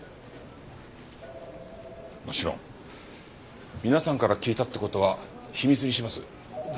もちろん皆さんから聞いたって事は秘密にしますなので。